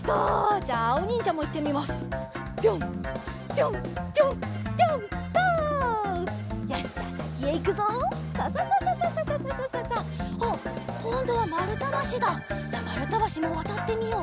じゃあまるたばしもわたってみよう。